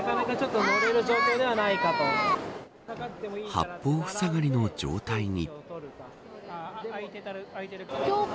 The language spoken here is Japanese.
八方ふさがりの状態に。